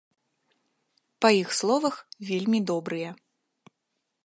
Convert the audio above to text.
Па іх словах, вельмі добрыя.